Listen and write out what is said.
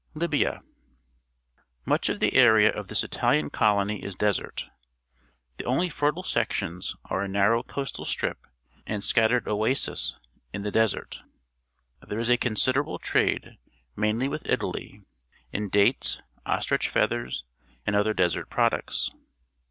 LIBIA .7 Much of the area of this Italian colony is desert. The only fertile sections are a narrow coastal strip and scattered oases in the desert. There is a considerable trade, mainly with Italy, in dates, ostrich feathers, and other desert products.